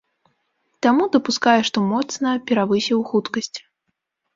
Таму дапускае, што моцна перавысіў хуткасць.